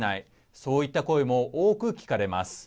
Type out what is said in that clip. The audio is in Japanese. そういった声も多く聞かれます。